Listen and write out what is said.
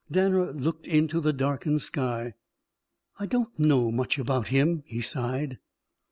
Danner looked into the darkened sky. "I don't know much about Him," he sighed.